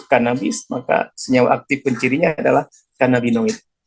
cannabis maka senyawa aktif pencirinya adalah cannabinoid